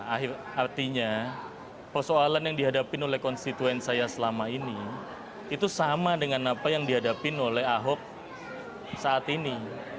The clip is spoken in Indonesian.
artinya persoalan yang dihadapi oleh konstituen saya selama ini itu sama dengan apa yang dihadapin oleh ahok saat ini